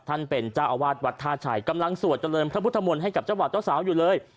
ท่านเป็นเจ้าอาวาสวัดท่าชัยกำลังสวดเจริญพระพุทธมนต์ให้กับเจ้าบ่าวเจ้าสาวอยู่เลย